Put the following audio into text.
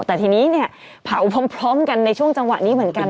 แต่ทีนี้เนี่ยเผาพร้อมกันในช่วงจังหวะนี้เหมือนกัน